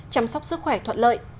chăm sóc sức khỏe thuận lợi